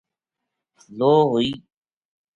لو ہوئی